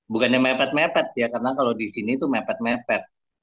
bukannya mepet mepet ya karena kalau di sini itu mepet mepet